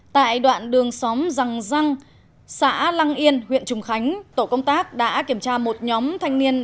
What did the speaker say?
tại đoạn đường xóm răng răng xã lăng yên huyện trùng khánh tổ công tác đã kiểm tra một nhóm thanh niên